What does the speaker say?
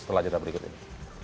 setelah cerita berikut ini